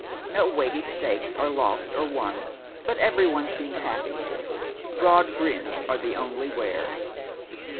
No weighty st;iJves are lost or won, but eveiy one seems happy. Broad grins are tlie only wear.